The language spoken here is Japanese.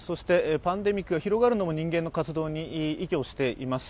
パンデミックが広がるのも人間の活動に依拠しています。